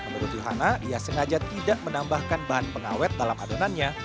menurut yohana ia sengaja tidak menambahkan bahan pengawet dalam adonannya